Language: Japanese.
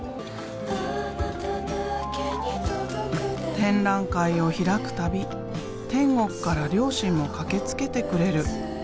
展覧会を開く度天国から両親も駆けつけてくれる。